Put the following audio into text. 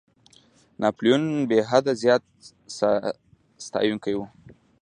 ناپولیون بېحده زیات ستایونکی وو.